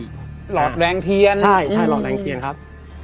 หลอดแรงเพียนอืมหลอดแรงเพียนครับ